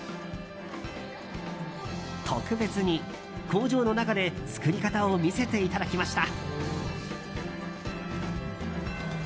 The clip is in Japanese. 特別に工場の中で作り方を見せていただきました。